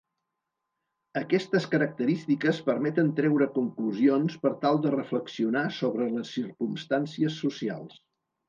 Aquestes característiques permeten treure conclusions per tal de reflexionar sobre les circumstàncies socials.